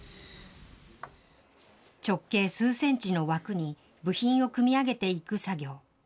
直径数センチの枠に、部品を組み上げていく作業。